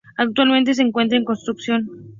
Actualmente se encuentra en construcción.